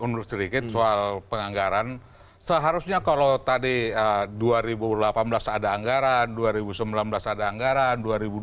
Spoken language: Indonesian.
mundur sedikit soal penganggaran seharusnya kalau tadi dua ribu delapan belas ada anggaran dua ribu sembilan belas ada anggaran dua ribu dua puluh